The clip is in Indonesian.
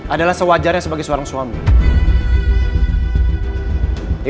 adalah sewajarnya sebagai seorang suami